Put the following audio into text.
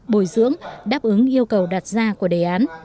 bồi dưỡng đáp ứng yêu cầu đặt ra của đề án